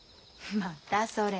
またそれ。